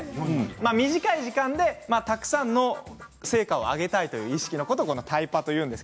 短い時間でたくさんの成果を挙げたいという意識をタイパといいます。